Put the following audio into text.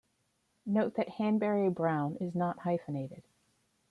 Note that Hanbury Brown is not hyphenated.